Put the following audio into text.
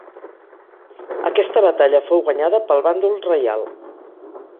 Aquesta batalla fou guanyada pel bàndol reial.